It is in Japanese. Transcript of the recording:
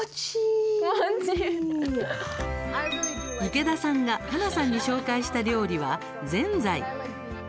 池田さんがハナさんに紹介した料理は、ぜんざい。